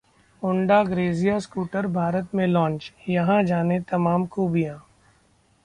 Honda Grazia scooter Bharat में launch, यहां जानें तमाम खूबियां